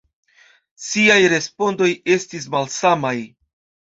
Siaj respondoj estis malsamaj.